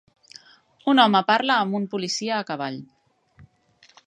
Un home parla amb un policia a cavall.